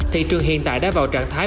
thị trường hiện tại đã vào trạng thái